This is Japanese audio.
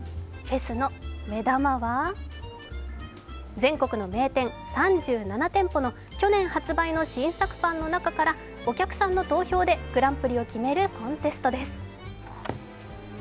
フェスの目玉は、全国の名店３７店舗の、去年発売の新作パンの中からお客さんの投票でグランプリを決めるコンテストです。